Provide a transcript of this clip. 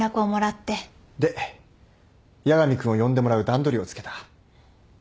で八神君を呼んでもらう段取りをつけた。